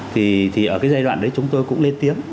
thì ở cái giai đoạn đấy chúng tôi cũng lên tiếng